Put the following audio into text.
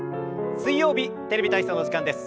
水曜日「テレビ体操」の時間です。